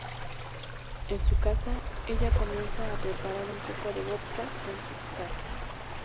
En su casa, ella comienza a preparar un poco de vodka en su taza.